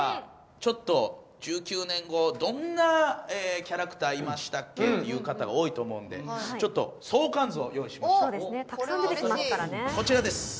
ちょっと１９年後どんなキャラクターいましたっけ？という方が多いと思うんでちょっと相関図を用意しましたおっこれは嬉しいこちらです